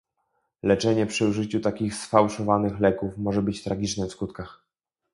Leczenie przy użyciu takich sfałszowanych leków może być tragiczne w skutkach